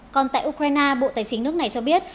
còn tại ukraine bộ tài chính nước này cho biết